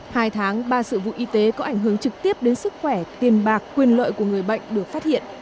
hai tháng ba sự vụ y tế có ảnh hưởng trực tiếp đến sức khỏe tiền bạc quyền lợi của người bệnh được phát hiện